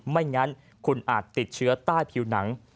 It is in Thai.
ไม่งั้นคุณอาจติดเชื้อใต้ผิวหนัง